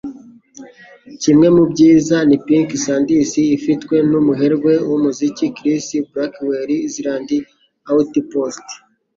Kimwe mu byiza ni Pink Sands, ifitwe numuherwe wumuziki Chris Blackwell 'Island Outpost.